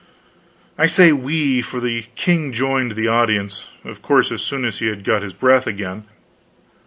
I say we, for the king joined the audience, of course, as soon as he had got his breath again.